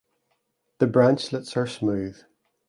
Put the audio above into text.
The branchlets are smooth.